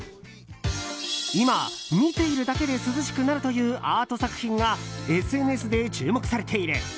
今、見ているだけで涼しくなるというアート作品がＳＮＳで注目されている。